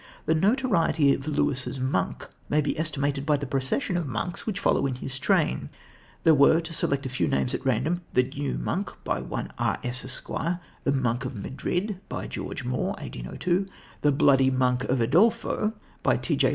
The notoriety of Lewis's monk may be estimated by the procession of monks who followed in his train. There were, to select a few names at random, The New Monk, by one R.S., Esq.; The Monk of Madrid, by George Moore (1802); The Bloody Monk of Udolpho, by T.J.